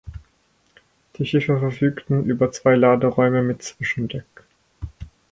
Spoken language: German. Die Schiffe verfügten über zwei Laderäume mit Zwischendeck.